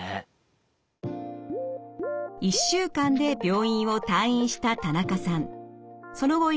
１週間で病院を退院した田中さん。